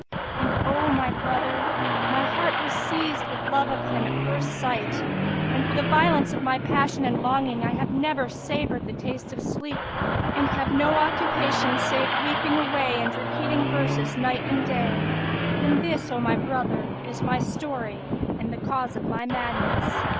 And, O my brother, m, heart was seized with love of him at first sight; and, for the violence of my passion and longing, I have never savoured the taste of sleep and have no occupation save weeping alway and repeating verses night and day. And this, O my brother, is my story and the cause of my madness."